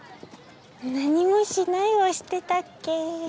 何もしないをしてたっけ？